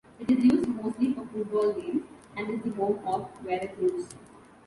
It is used mostly for football games and is the home of Veracruz.